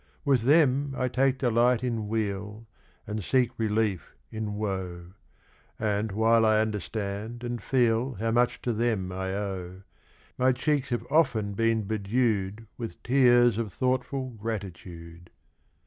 With them I take delight in weal, And seek relief in woe; And while I understand and feel How much to them I owe, My cheeks have often been bedew'd With tears of thoughtful gratitude.